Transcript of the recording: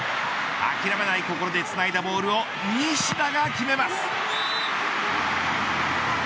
諦めない心でつないだボールを西田が決めます。